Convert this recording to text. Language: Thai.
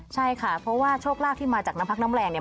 ใช่ค่ะเพราะว่าโชคลาภที่มาจากน้ำพักน้ำแรงเนี่ย